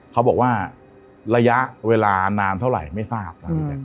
เขาบอกว่าระยะเวลานานเท่าไหร่ไม่ทราบ